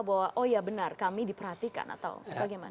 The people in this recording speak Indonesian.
bahwa oh ya benar kami diperhatikan atau bagaimana